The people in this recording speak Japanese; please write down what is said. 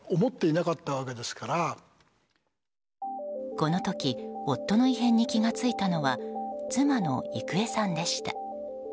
この時夫の異変に気が付いたのは妻の郁恵さんでした。